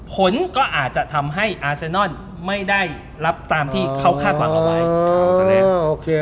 ผลก็อาจจะทำให้อาเซนอนไม่ได้รับตามที่เขาคาดหวังเอาไว้